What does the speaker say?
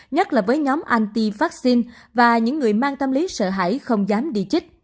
nhất là với nhóm anti vaccine và những người mang tâm lý sợ hãi không dám đi chích